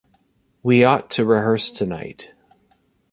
We ought to rehearse tonight.